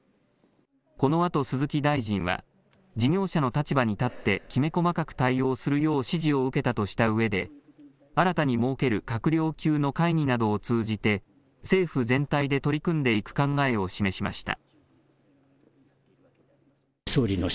このあと鈴木大臣は、事業者の立場に立ってきめ細かく対応するよう指示を受けたとしたうえで、新たに設ける閣僚級の会議などを通じて、政府全体で取り組んでいく考えを示しました。